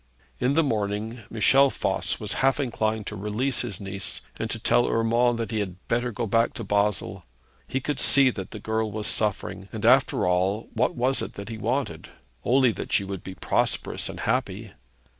In the morning Michel Voss was half inclined to release his niece, and to tell Urmand that he had better go back to Basle. He could see that the girl was suffering, and, after all, what was it that he wanted? Only that she should be prosperous and happy.